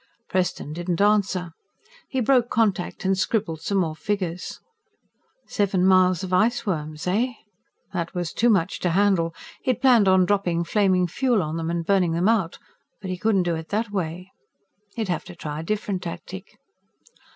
Preston didn't answer. He broke contact and scribbled some more figures. Seven miles of iceworms, eh? That was too much to handle. He had planned on dropping flaming fuel on them and burning them out, but he couldn't do it that way. He'd have to try a different tactic.